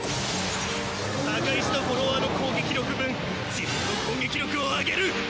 破壊したフォロワーの攻撃力分自分の攻撃力を上げる！